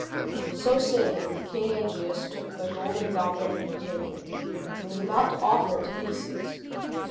So saying, King Aegeus took the golden goblet from the table, and was about to offer it to Theseus.